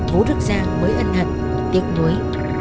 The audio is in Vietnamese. vũ đức giang mới ân hận tiếc nuối